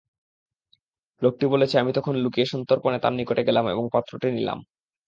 লোকটি বলেছে, আমি তখন লুকিয়ে সন্তর্পণে তার নিকট গেলাম এবং পাত্রটি নিলাম।